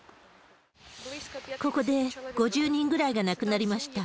ここで５０人ぐらいが亡くなりました。